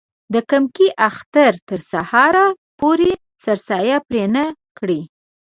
د کمکي اختر تر سهاره پورې سرسایې پرې نه کړي.